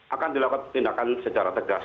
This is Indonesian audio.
akan dilakukan tindakan secara tegas